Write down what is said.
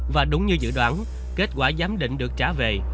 và đúng như dự đoán kết quả giám định được trả về